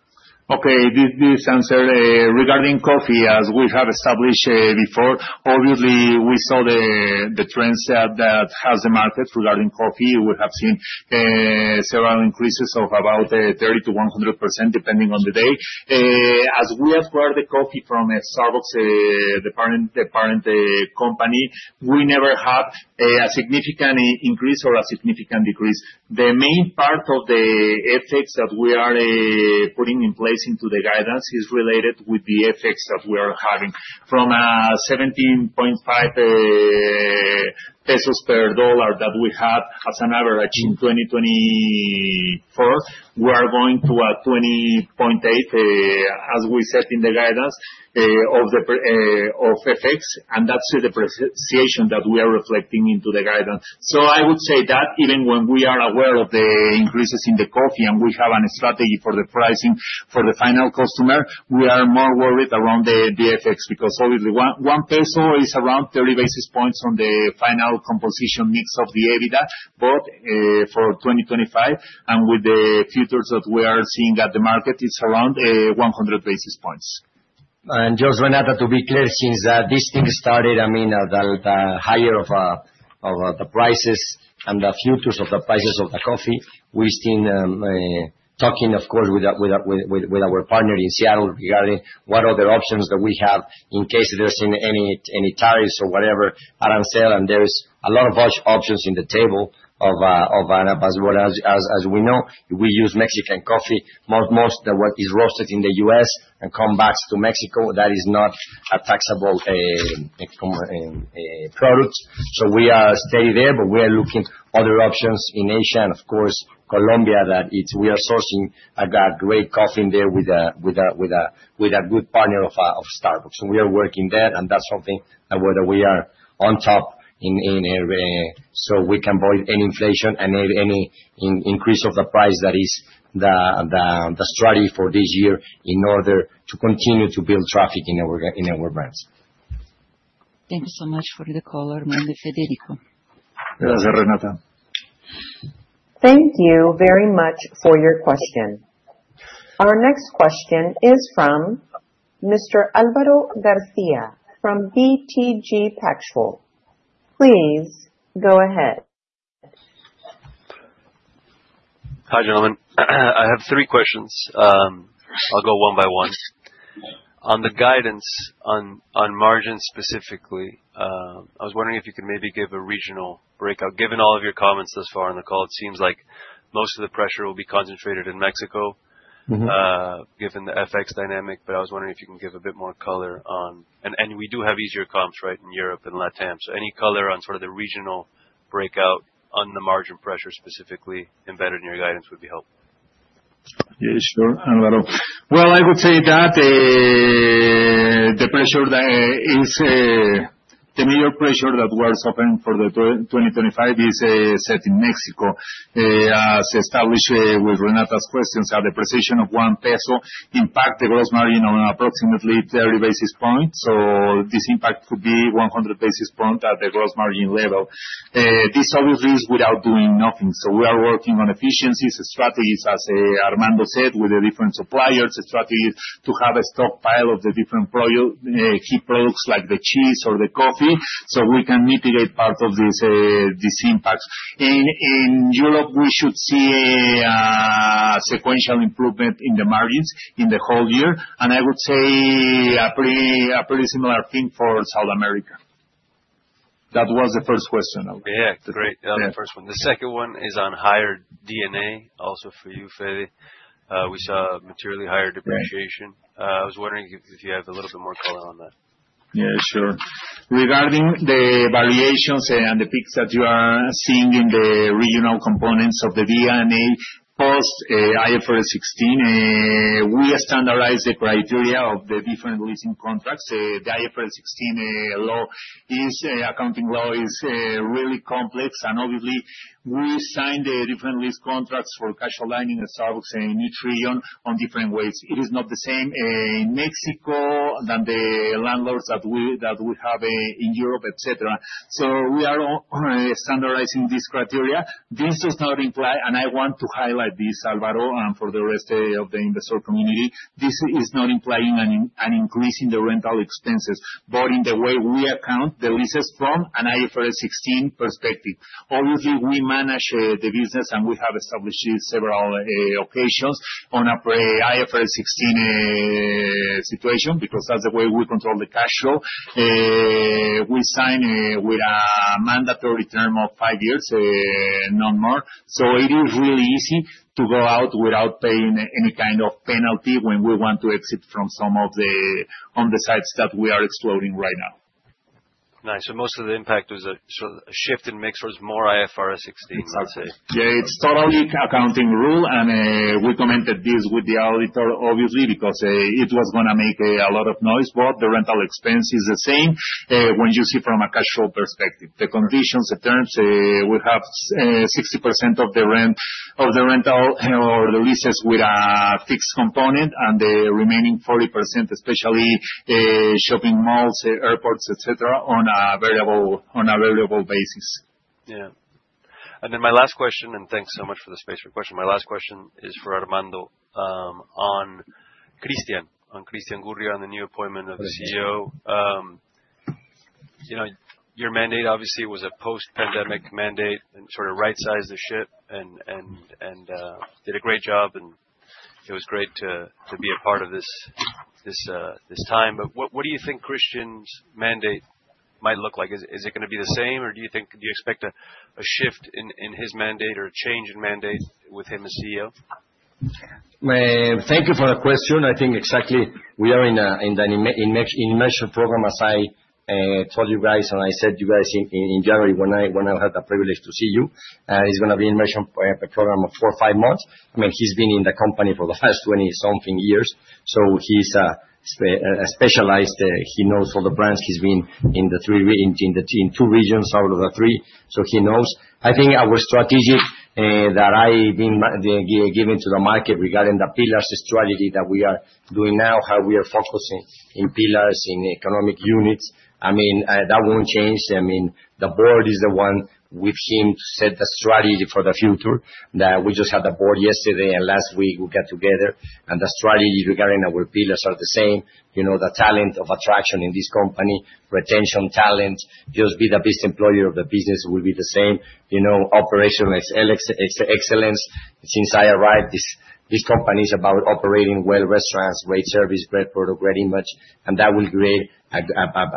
Okay. This answer regarding coffee, as we have established before, obviously, we saw the trends that has the market regarding coffee. We have seen several increases of about 30%-100% depending on the day. As we acquired the coffee from a Starbucks parent company, we never had a significant increase or a significant decrease. The main part of the effects that we are putting in place into the guidance is related with the effects that we are having. From 17.5 pesos per dollar that we had as an average in 2024, we are going to 20.8, as we said in the guidance, of effects, and that's the appreciation that we are reflecting into the guidance. I would say that even when we are aware of the increases in the coffee and we have a strategy for the pricing for the final customer, we are more worried around the effects because obviously 1 peso is around 30 basis points on the final composition mix of the EBITDA, but for 2025 and with the futures that we are seeing at the market, it's around 100 basis points. Just, Renata, to be clear, since this thing started, I mean. The higher of the prices and the futures of the prices of the coffee, we've been talking, of course, with our partner in Seattle regarding what other options that we have in case there's any tariffs or whatever at Alsea. And there's a lot of options on the table of Alsea. As we know, we use Mexican coffee. Most of what is roasted in the U.S. and comes back to Mexico, that is not a taxable product. So we are steady there, but we are looking at other options in Asia and, of course, Colombia that we are sourcing a great coffee there with a good partner of Starbucks. So, we are working there, and that's something that we are on top of so we can avoid any inflation and any increase of the price. That is the strategy for this year in order to continue to build traffic in our brands. Thank you so much for the call, Armando and Federico. Gracias, Renata. Thank you very much for your question. Our next question is from Mr. Álvaro García from BTG Pactual. Please go ahead. Hi, gentlemen. I have three questions. I'll go one by one. On the guidance on margins specifically, I was wondering if you could maybe give a regional breakout. Given all of your comments thus far on the call, it seems like most of the pressure will be concentrated in Mexico given the FX dynamic, but I was wondering if you can give a bit more color on and we do have easier comps, right, in Europe and Latam. So any color on sort of the regional breakout on the margin pressure specifically embedded in your guidance would be helpful. Yeah, sure, Álvaro. Well, I would say that the pressure is the major pressure that we are suffering for 2025 is set in Mexico. As established with Renata's questions, the increase of 1 peso impacts the gross margin on approximately 30 basis points. So this impact could be 100 basis points at the gross margin level. This obviously is without doing nothing. So we are working on efficiencies, strategies, as Armando said, with the different suppliers, strategies to have a stockpile of the different key products like the cheese or the coffee so we can mitigate part of these impacts. In Europe, we should see a sequential improvement in the margins in the whole year, and I would say a pretty similar thing for South America. That was the first question. Yeah, great. That was the first one. The second one is on higher D&A also for you, Freddy. We saw materially higher depreciation. I was wondering if you have a little bit more color on that. Yeah, sure. Regarding the variations and the peaks that you are seeing in the regional components of the D&A post IFRS 16, we standardize the criteria of the different leasing contracts. The IFRS 16 accounting law is really complex. And obviously, we signed the different lease contracts for casual dining at Starbucks in each region on different ways. It is not the same in Mexico than the landlords that we have in Europe, etc. So we are standardizing these criteria. This does not imply, and I want to highlight this, Álvaro, for the rest of the investor community, this is not implying an increase in the rental expenses, but in the way we account the leases from an IFRS 16 perspective. Obviously, we manage the business and we have established several occasions on an IFRS 16 situation because that's the way we control the cash flow. We sign with a mandatory term of five years, not more. It is really easy to go out without paying any kind of penalty when we want to exit from some of the sites that we are exploring right now. Nice. So most of the impact was a shift in mix, was more IFRS 16, let's say. Yeah, it's totally an accounting rule. And we commented this with the auditor, obviously, because it was going to make a lot of noise, but the rental expense is the same when you see from a cash flow perspective. The conditions, the terms, we have 60% of the rental or the leases with a fixed component and the remaining 40%, especially shopping malls, airports, etc., on a variable basis. Yeah. And then my last question, and thanks so much for the space for questions. My last question is for Armando on Cristian, on Cristian Gurría, on the new appointment of the CEO. Your mandate, obviously, was a post-pandemic mandate and sort of right-sized the ship and did a great job. And it was great to be a part of this time. But what do you think Cristian's mandate might look like? Is it going to be the same, or do you expect a shift in his mandate or a change in mandate with him as CEO? Thank you for the question. I think exactly we are in the immersion program, as I told you guys and I said to you guys in January when I had the privilege to see you. It's going to be an immersion program of four or five months. I mean, he's been in the company for the past 20-something years. So he's specialized. He knows all the brands. He's been in two regions out of the three. So he knows. I think our strategy that I've been giving to the market regarding the pillars strategy that we are doing now, how we are focusing in pillars, in unit economics, I mean, that won't change. I mean, the board is the one with him to set the strategy for the future. We just had the board yesterday and last week we got together, and the strategy regarding our pillars are the same. The talent of attraction in this company, retention talent, just be the best employer of the business will be the same. Operational excellence. Since I arrived, this company is about operating well restaurants, great service, great product, great image, and that will create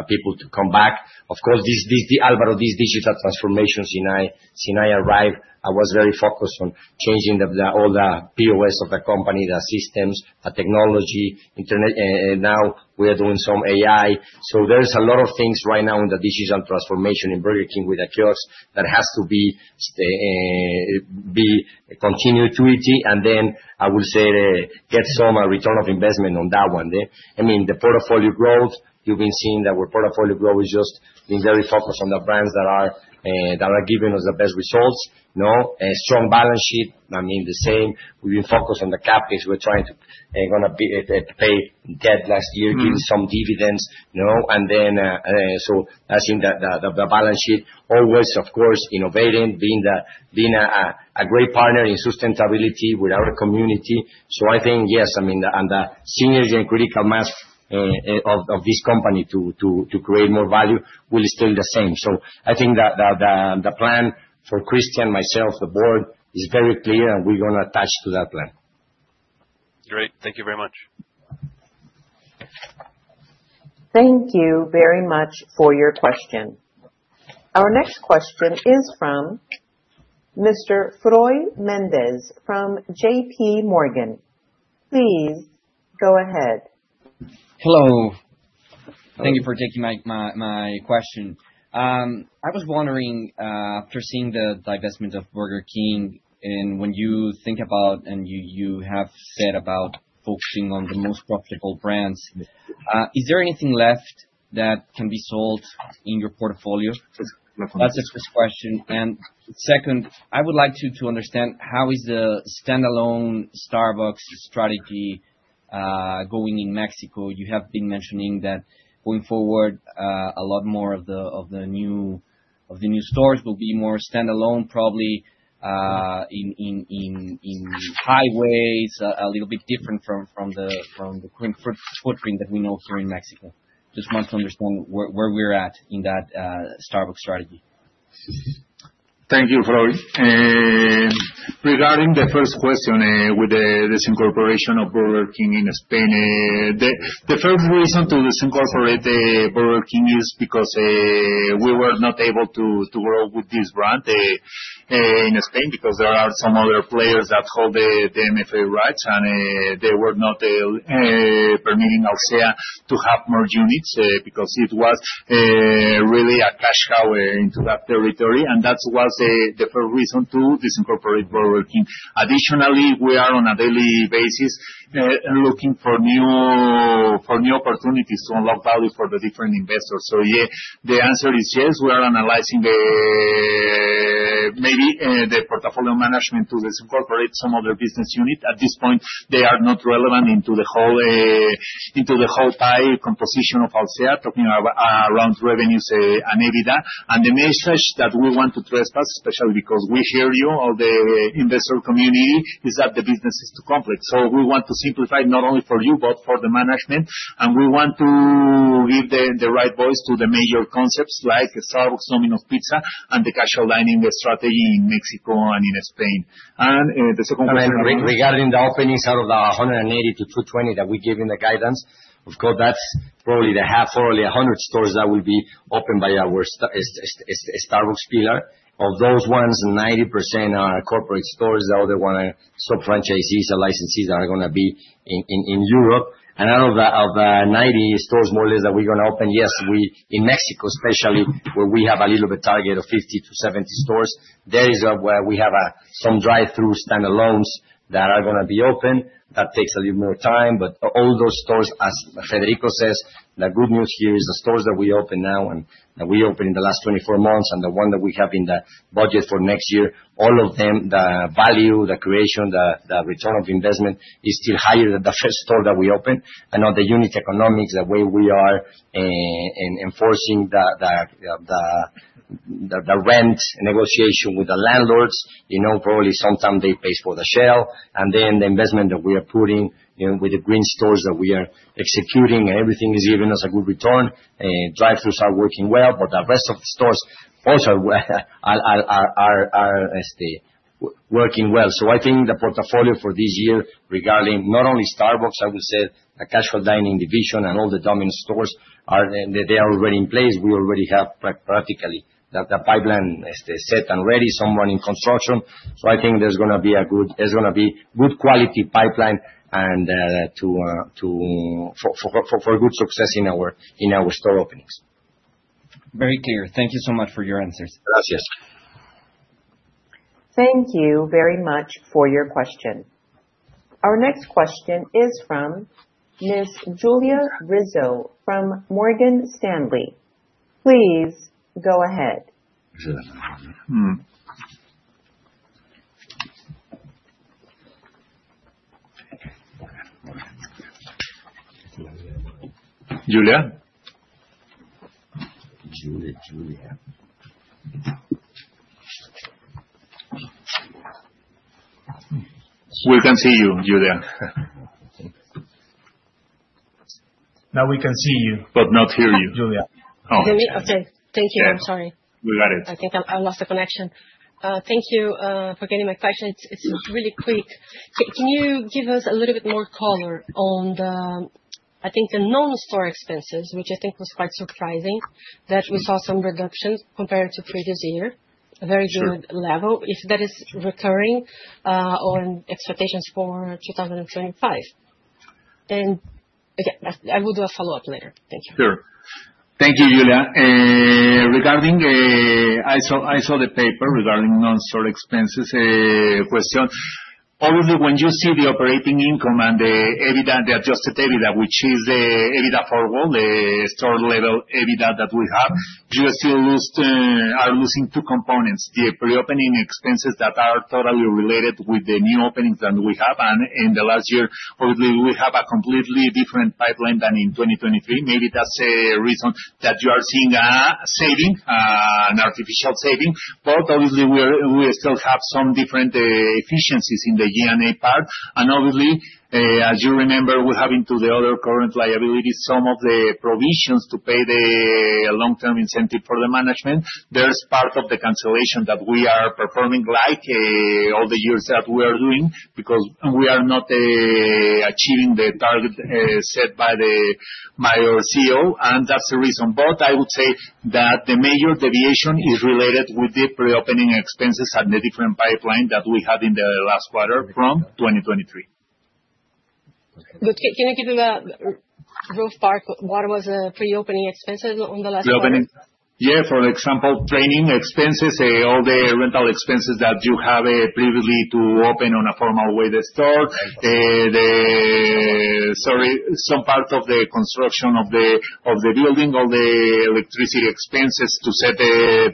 people to come back. Of course, Álvaro, these digital transformations, since I arrived, I was very focused on changing all the POS of the company, the systems, the technology. Now we are doing some AI, so there's a lot of things right now in the digital transformation in Burger King with the kiosks that has to be continued to it, and then I will say get some return on investment on that one. I mean, the portfolio growth, you've been seeing that our portfolio growth is just being very focused on the brands that are giving us the best results. Strong balance sheet, I mean, the same. We've been focused on the CapEx. We're trying to pay debt last year, giving some dividends. And then so I think the balance sheet always, of course, innovating, being a great partner in sustainability with our community. So I think, yes, I mean, and the synergy and critical mass of this company to create more value will still be the same. So I think that the plan for Cristian, myself, the board is very clear, and we're going to attach to that plan. Great. Thank you very much. Thank you very much for your question. Our next question is from Mr. Froylan Méndez from J.P. Morgan. Please go ahead. Hello. Thank you for taking my question. I was wondering, after seeing the divestment of Burger King, and when you think about and you have said about focusing on the most profitable brands, is there anything left that can be sold in your portfolio? That's a quick question, and second, I would like to understand how is the standalone Starbucks strategy going in Mexico? You have been mentioning that going forward, a lot more of the new stores will be more standalone, probably in highways, a little bit different from the current footprint that we know here in Mexico. Just want to understand where we're at in that Starbucks strategy. Thank you, Froy. Regarding the first question with the disincorporation of Burger King in Spain, the first reason to disincorporate Burger King is because we were not able to grow with this brand in Spain because there are some other players that hold the MFA rights, and they were not permitting Alsea to have more units because it was really a cash cow into that territory, and that was the first reason to disincorporate Burger King. Additionally, we are on a daily basis looking for new opportunities to unlock value for the different investors. So yeah, the answer is yes. We are analyzing maybe the portfolio management to disincorporate some other business units. At this point, they are not relevant into the whole pie composition of Alsea, talking around revenues and EBITDA. The message that we want to transmit, especially because we hear you, the investor community, is that the business is too complex. We want to simplify not only for you, but for the management. We want to give the right voice to the major concepts like Starbucks, Domino's Pizza, and the cash cow underlying strategy in Mexico and in Spain. The second question. Regarding the openings out of the 180-220 that we give in the guidance, of course, that's probably the half, probably 100 stores that will be opened by our Starbucks pillar. Of those ones, 90% are corporate stores. The other one are sub-franchisees and licensees that are going to be in Europe, and out of the 90 stores more or less that we're going to open, yes, in Mexico, especially where we have a little bit target of 50-70 stores, there is where we have some drive-through standalones that are going to be open. That takes a little more time. But all those stores, as Federico says, the good news here is the stores that we open now and that we opened in the last 24 months and the one that we have in the budget for next year, all of them, the value, the creation, the return of investment is still higher than the first store that we opened. And on the unit economics, the way we are enforcing the rent negotiation with the landlords, probably sometimes they pay for the shell. And then the investment that we are putting with the green stores that we are executing and everything is giving us a good return. Drive-throughs are working well, but the rest of the stores also are working well. So I think the portfolio for this year regarding not only Starbucks, I would say the casual dining division and all the Domino's stores are already in place. We already have practically the pipeline set and ready, some in construction. I think there's going to be good quality pipeline and good success in our store openings. Very clear. Thank you so much for your answers. Gracias. Thank you very much for your question. Our next question is from Ms. Julia Rizzo from Morgan Stanley. Please go ahead. Julia. Julia. We can see you, Julia. Now we can see you. But not hear you. Julia. Okay. Thank you. I'm sorry. We got it. I think I lost the connection. Thank you for getting my question. It's really quick. Can you give us a little bit more color on, I think, the non-store expenses, which I think was quite surprising that we saw some reductions compared to previous year, a very good level, if that is recurring on expectations for 2025? And I will do a follow-up later. Thank you. Sure. Thank you, Julia. Regarding, I saw the paper regarding non-store expenses question. Obviously, when you see the operating income and the adjusted EBITDA, which is the EBITDA for all the store-level EBITDA that we have, you still are losing two components, the pre-opening expenses that are totally related with the new openings that we have. And in the last year, obviously, we have a completely different pipeline than in 2023. Maybe that's a reason that you are seeing a saving, an artificial saving. But obviously, we still have some different efficiencies in the G&A part. And obviously, as you remember, we're having to the other current liabilities, some of the provisions to pay the long-term incentive for the management. There's part of the cancellation that we are performing like all the years that we are doing because we are not achieving the target set by the major CEO. That's the reason. I would say that the major deviation is related with the pre-opening expenses and the different pipeline that we had in the last quarter from 2023. Can you give me the roof part? What was the pre-opening expenses on the last quarter? Yeah. For example, training expenses, all the rental expenses that you have previously to open on a formal way the store, sorry, some part of the construction of the building, all the electricity expenses to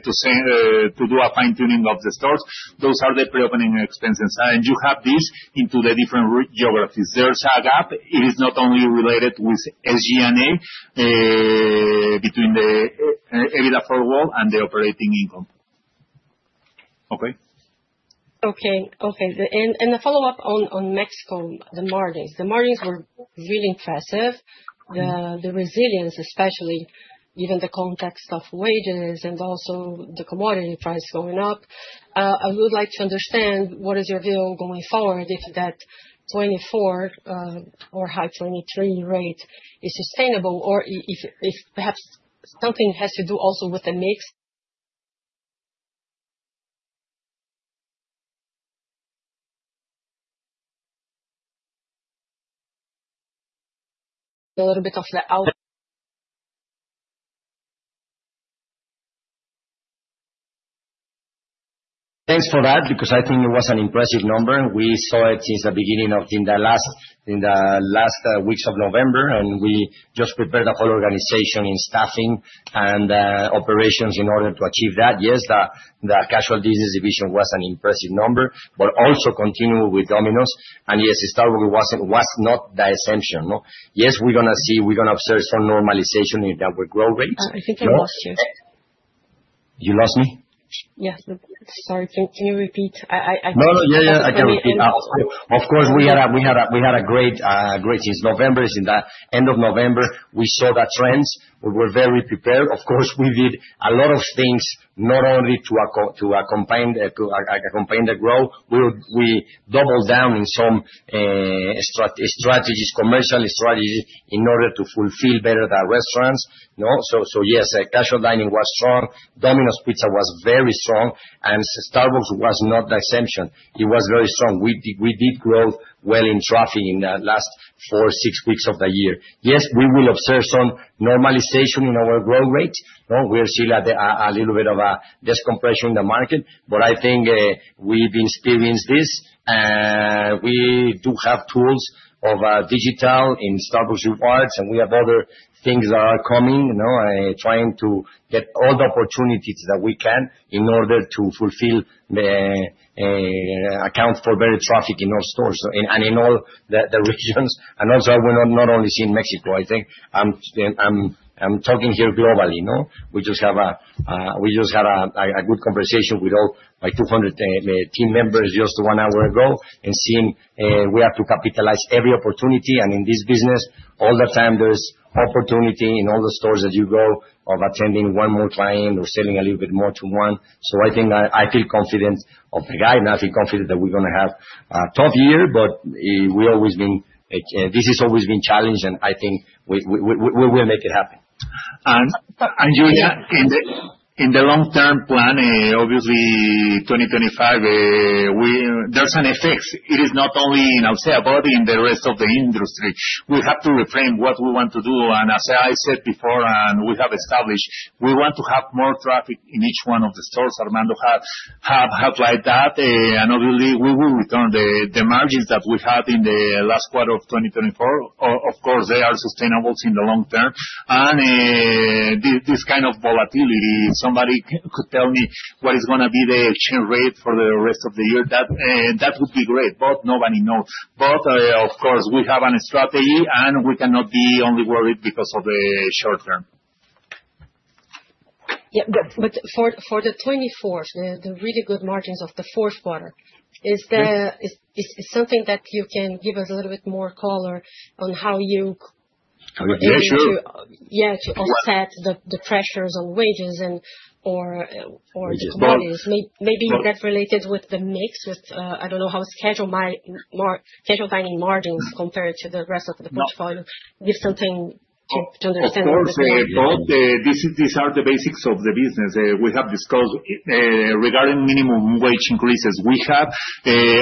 do a fine-tuning of the stores. Those are the pre-opening expenses, and you have this into the different geographies. There's a gap. It is not only related with SG&A between the EBITDA for all and the operating income. Okay? Okay. Okay. And the follow-up on Mexico, the margins. The margins were really impressive. The resilience, especially given the context of wages and also the commodity price going up. I would like to understand what is your view going forward if that 24 or high 23 rate is sustainable or if perhaps something has to do also with the mix. A little bit of the. Thanks for that because I think it was an impressive number. We saw it since the beginning of the last weeks of November, and we just prepared the whole organization in staffing and operations in order to achieve that. Yes, the casual business division was an impressive number, but also continue with Domino's. Yes, Starbucks was not the exception. Yes, we're going to observe some normalization in our growth rates. I think I lost you. You lost me? Yeah. Sorry. Can you repeat? No, no, yeah, yeah. I can repeat. Of course, we had a great since November, since the end of November, we saw the trends. We were very prepared. Of course, we did a lot of things not only to accompany the growth. We doubled down in some strategies, commercial strategies in order to fulfill better the restaurants. So yes, Casual Dining was strong. Domino's Pizza was very strong. And Starbucks was not the exception. It was very strong. We did grow well in traffic in the last four, six weeks of the year. Yes, we will observe some normalization in our growth rates. We are still at a little bit of a decompression in the market, but I think we've experienced this. We do have tools of digital in Starbucks Rewards, and we have other things that are coming, trying to get all the opportunities that we can in order to fulfill the account for better traffic in all stores and in all the regions. And also we're not only seeing Mexico. I think I'm talking here globally. We just had a good conversation with all my 200 team members just one hour ago and seeing we have to capitalize every opportunity. And in this business, all the time there's opportunity in all the stores that you go of attending one more client or selling a little bit more to one. So I think I feel confident of the guide. I feel confident that we're going to have a tough year, but we always been this has always been challenged, and I think we will make it happen. And Julia, in the long-term plan, obviously, 2025, there's an effect. It is not only in Alsea but in the rest of the industry. We have to reframe what we want to do. And as I said before, and we have established, we want to have more traffic in each one of the stores. Armando had outlined that. And obviously, we will return the margins that we had in the last quarter of 2024. Of course, they are sustainable in the long term. And this kind of volatility, somebody could tell me what is going to be the exchange rate for the rest of the year. That would be great, but nobody knows. But of course, we have a strategy, and we cannot be only worried because of the short term. Yeah. But for the 24th, the really good margins of the fourth quarter, is something that you can give us a little bit more color on how you? Yeah, sure. Yeah, to offset the pressures on wages or the commodities. Maybe you get related with the mix, with I don't know how schedule timing margins compared to the rest of the portfolio. Give something to understand. Of course. But these are the basics of the business. We have discussed regarding minimum wage increases. We have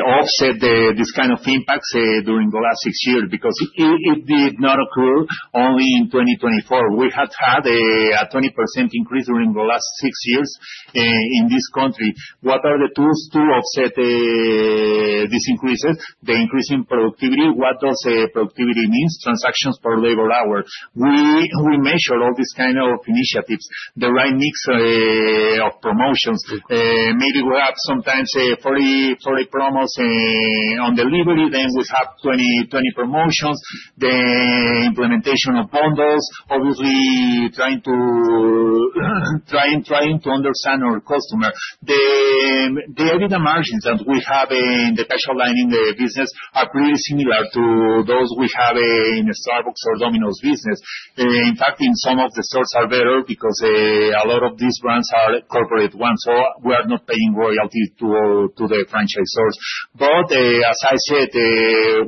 offset this kind of impacts during the last six years because it did not occur only in 2024. We have had a 20% increase during the last six years in this country. What are the tools to offset these increases? The increase in productivity. What does productivity mean? Transactions per labor hour. We measure all these kinds of initiatives, the right mix of promotions. Maybe we have sometimes 40 promos on delivery. Then we have 20 promotions, the implementation of bundles, obviously trying to understand our customer. The EBITDA margins that we have in the casual dining business are pretty similar to those we have in Starbucks or Domino's business. In fact, in some of the stores are better because a lot of these brands are corporate ones. We are not paying royalties to the franchise stores. As I said,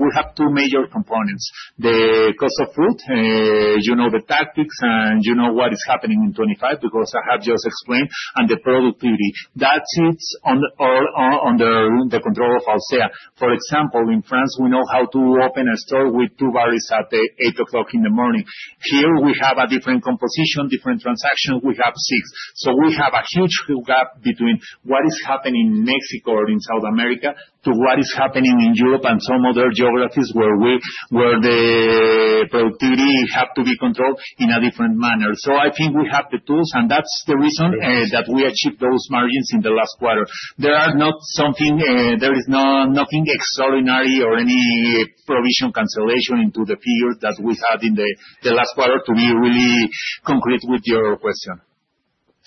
we have two major components: the cost of food, the taxes, and what is happening in 2025 because I have just explained, and the productivity. That sits under the control of Alsea. For example, in France, we know how to open a store with two baristas at 8:00 A.M. Here, we have a different composition, different transactions. We have six. We have a huge gap between what is happening in Mexico or in South America to what is happening in Europe and some other geographies where the productivity has to be controlled in a different manner. I think we have the tools, and that's the reason that we achieved those margins in the last quarter. There is nothing extraordinary or any provision cancellation into the figures that we had in the last quarter to be really concrete with your question,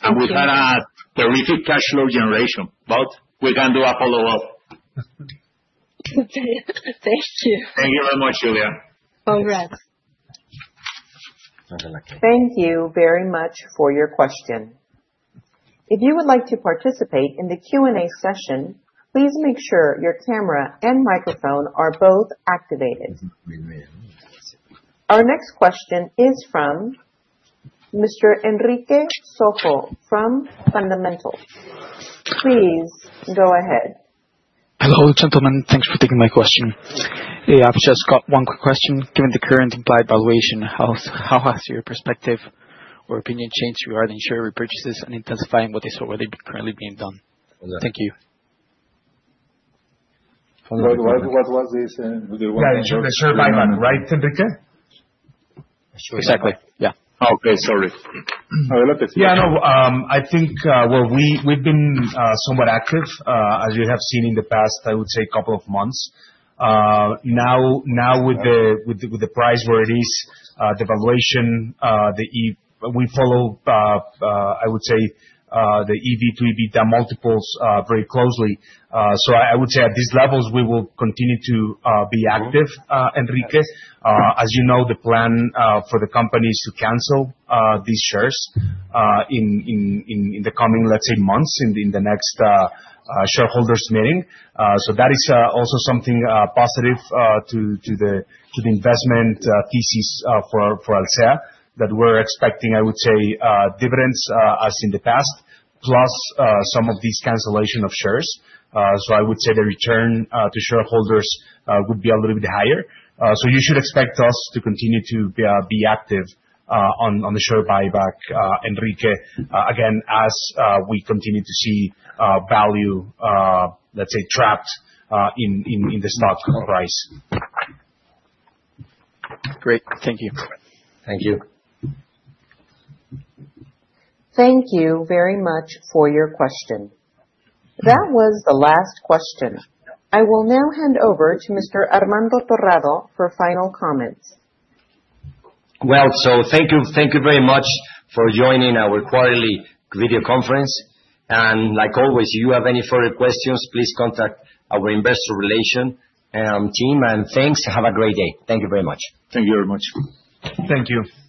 and we had a terrific cash flow generation, but we can do a follow-up. Okay. Thank you. Thank you very much, Julia. All right. Thank you very much for your question. If you would like to participate in the Q&A session, please make sure your camera and microphone are both activated. Our next question is from Mr. Enrique Sojo from Fundamental. Please go ahead. Hello, gentlemen. Thanks for taking my question. I've just got one quick question. Given the current implied valuation, how has your perspective or opinion changed regarding share repurchases and intensifying what they saw were currently being done? Thank you. What was this? Yeah, the share buyback, right, Enrique? Exactly. Yeah. Okay. Sorry. Yeah, no, I think we've been somewhat active, as you have seen in the past, I would say, couple of months. Now, with the price where it is, the valuation, we follow, I would say, the EV to EBITDA multiples very closely. So I would say at these levels, we will continue to be active, Enrique. As you know, the plan for the company is to cancel these shares in the coming, let's say, months in the next shareholders' meeting. So that is also something positive to the investment thesis for Alsea that we're expecting, I would say, dividends as in the past, plus some of these cancellations of shares. So I would say the return to shareholders would be a little bit higher. You should expect us to continue to be active on the share buyback, Enrique, again, as we continue to see value, let's say, trapped in the stock price. Great. Thank you. Thank you. Thank you very much for your question. That was the last question. I will now hand over to Mr. Armando Torrado for final comments. Thank you very much for joining our quarterly video conference. Like always, if you have any further questions, please contact our Investor Relations team. Thanks. Have a great day. Thank you very much. Thank you very much. Thank you.